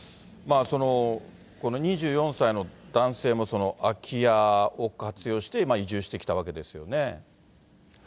この２４歳の男性もその空き家を活用して移住してきたわけですよね。